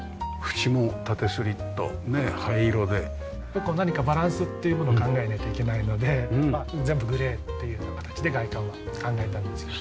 結構何かバランスっていうものを考えないといけないので全部グレーっていうような形で外観は考えたんですけど。